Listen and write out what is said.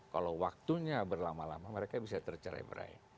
kalau waktunya berlama lama mereka bisa tercerai berai